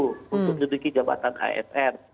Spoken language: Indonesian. untuk menduduki jabatan asn